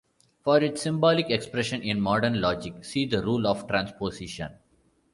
For its symbolic expression in modern logic see the rule of transposition.